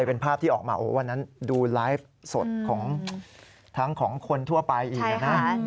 เป็นภาพที่ออกมาวันนั้นดูไลฟ์สดของทั้งของคนทั่วไปอีกนะ